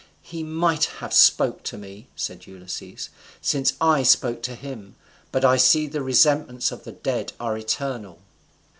"He might have spoke to me," said Ulysses, "since I spoke to him; but I see the resentments of the dead are eternal."